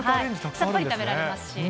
さっぱり食べられますし。